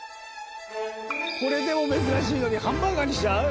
「これでも珍しいのにハンバーガーにしちゃう？」